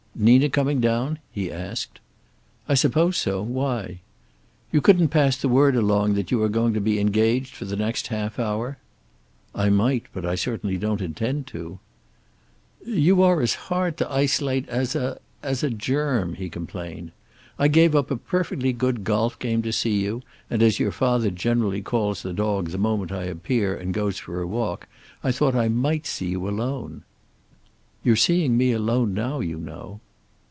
"Nina coming down?" he asked. "I suppose so. Why?" "You couldn't pass the word along that you are going to be engaged for the next half hour?" "I might, but I certainly don't intend to." "You are as hard to isolate as a as a germ," he complained. "I gave up a perfectly good golf game to see you, and as your father generally calls the dog the moment I appear and goes for a walk, I thought I might see you alone." "You're seeing me alone now, you know."